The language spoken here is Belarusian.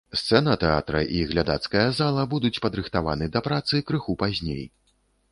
Сцэна тэатра і глядацкая зала будуць падрыхтаваны да працы крыху пазней.